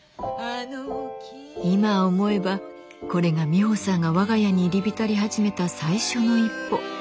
今思えばこれがミホさんが我が家に入り浸り始めた最初の一歩。